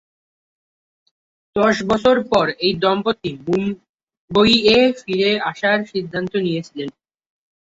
দশ বছর পর এই দম্পতি মুম্বইয়ে ফিরে আসার সিদ্ধান্ত নিয়েছিলেন।